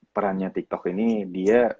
perannya tiktok ini dia